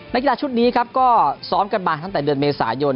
กีฬาชุดนี้ครับก็ซ้อมกันมาตั้งแต่เดือนเมษายน